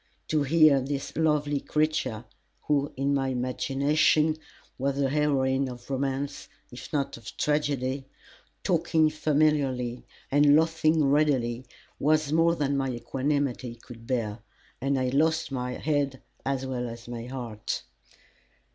To hear this lovely creature, who, in my imagination, was a heroine of romance, if not of tragedy, talking familiarly and laughing readily was more than my equanimity could bear, and I lost my head as well as my heart.